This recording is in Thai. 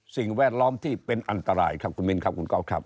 สิ่งแวดล้อมที่เป็นอันตรายครับคุณมินครับคุณก๊อฟครับ